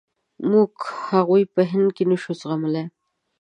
موږ هغوی په هند کې نشو زغملای.